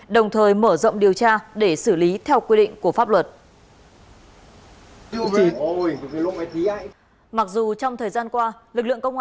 đồng thời mở rộng điều tra để xử lý theo quy định của pháp luật